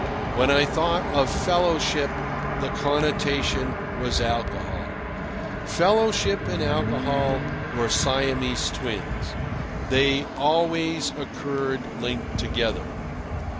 When I thought of fellowship, the connotation was alcohol. Fellowship and alcohol were Siamese twins. They always occurred linked together.